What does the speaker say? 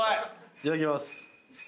いただきます。